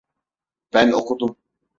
Ben okudum.